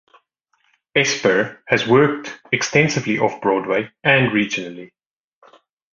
Esper has worked extensively Off-Broadway and regionally.